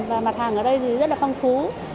và mặt hàng ở đây thì rất là phong phú